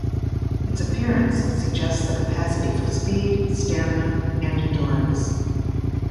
Its appearance suggests the capacity for speed, stamina and endurance.